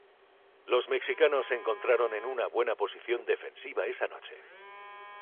Los mexicanos se encontraron en una buena posición defensiva esa noche.